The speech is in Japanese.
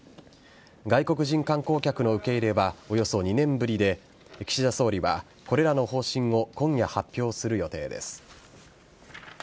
外国人観光客の受け入れはおよそ２年ぶりで岸田総理はこれらの方針を今夜発表する予定です。